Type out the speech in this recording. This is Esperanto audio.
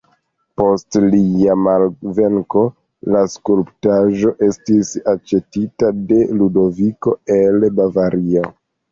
Post lia malvenko, la skulptaĵo estis aĉetita de Ludoviko el Bavario.